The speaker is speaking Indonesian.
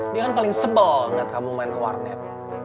dia kan paling sebel ngeliat kamu main ke warnet